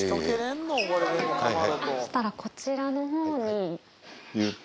そしたらこちらのほうに。